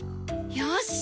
よし！